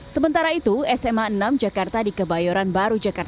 sementara itu sma enam jakarta di kebayoran baru jakarta